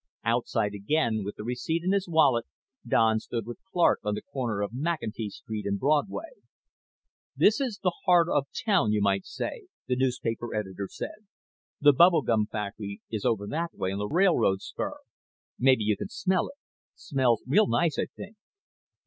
Outside again, with the receipt in his wallet, Don stood with Clark on the corner of McEntee Street and Broadway. "This is the heart of town, you might say," the newspaper editor said. "The bubble gum factory is over that way, on the railroad spur. Maybe you can smell it. Smells real nice, I think."